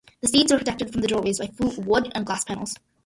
The seats were protected from the doorways by faux wood and glass panels.